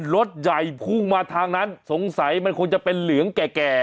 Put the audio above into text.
รถใหญ่พุ่งมาทางนั้นสงสัยมันคงจะเป็นเหลืองแก่